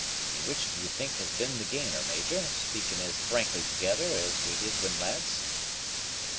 "And which do you think has been the gainer, Major, speaking as frankly thegither as we did when lads?"